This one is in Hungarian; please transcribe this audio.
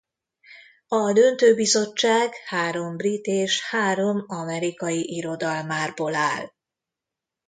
A döntőbizottság három brit és három amerikai irodalmárból áll.